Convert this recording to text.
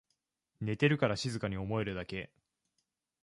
寝てるから静かに思えるだけ